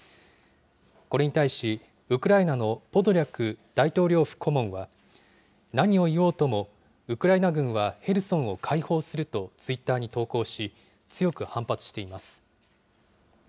これに対し、ウクライナのポドリャク大統領府顧問は、何を言おうとも、ウクライナ軍はヘルソンを解放するとツイッターに投稿し、強く反発しています。